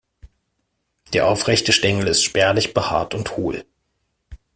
Der aufrechte Stängel ist spärlich behaart und hohl.